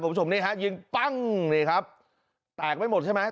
คุณผู้ชมนี่ฮะยิงปั้งนี่ครับแตกไม่หมดใช่ไหม